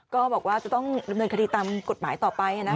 ก็บอกว่าจะต้องดำเนินคดีตามกฎหมายต่อไป